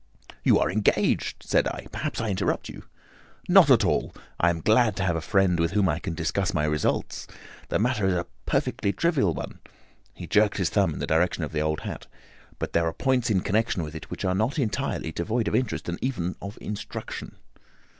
"You are engaged," said I; "perhaps I interrupt you." "Not at all. I am glad to have a friend with whom I can discuss my results. The matter is a perfectly trivial one"—he jerked his thumb in the direction of the old hat—"but there are points in connection with it which are not entirely devoid of interest and even of instruction."